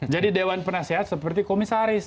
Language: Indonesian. jadi dewan penasehat seperti komisaris